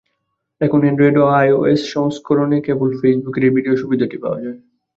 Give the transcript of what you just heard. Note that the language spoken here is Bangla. এখন অ্যান্ড্রয়েড ও আইওএস সংস্করণে কেবল ফেসবুকের এই ভিডিও সুবিধাটি পাওয়া যায়।